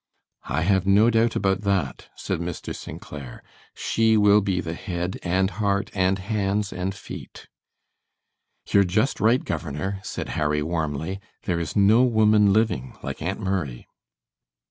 "I have no doubt about that," said Mr. St. Clair. "She will be the head and heart and hands and feet." "You're just right, governor," said Harry, warmly. "There is no woman living like Aunt Murray."